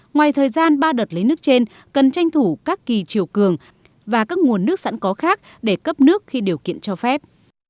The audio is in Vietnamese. ngoài thời gian ba đợt lấy nước trên cần tranh thủ các kỳ chiều cường và các nguồn nước sẵn có khác để cấp nước khi điều kiện cho phép